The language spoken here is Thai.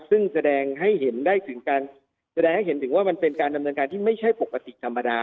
ซึ่งแสดงให้เห็นถึงว่ามันเป็นการดำเนินการที่ไม่ใช่ปกติธรรมดา